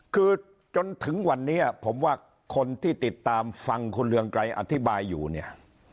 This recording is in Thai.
คือจนถึงวันนี้ผมว่าคนที่ติดตามฟังคุณเรืองไกรอธิบายอยู่เนี่ย